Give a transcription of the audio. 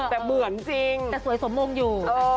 แต่เหมือนจริงแต่สวยสมมงอยู่